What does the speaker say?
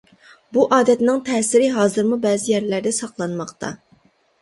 بۇ ئادەتنىڭ تەسىرى ھازىرمۇ بەزى يەرلەردە ساقلانماقتا.